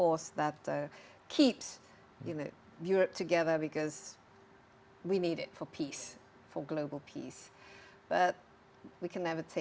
untuk menunjukkan bahwa proyek ini dapat memberikan kembang